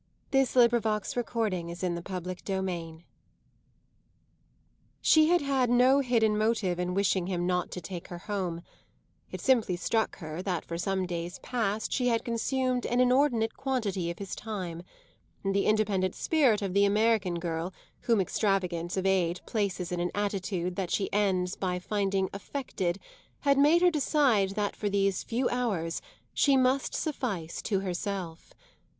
"But it's worse when they remember it!" CHAPTER XVI She had had no hidden motive in wishing him not to take her home; it simply struck her that for some days past she had consumed an inordinate quantity of his time, and the independent spirit of the American girl whom extravagance of aid places in an attitude that she ends by finding "affected" had made her decide that for these few hours she must suffice to herself.